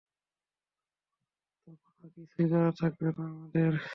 তখন আর কিছুই করার থাকবে না আমাদের।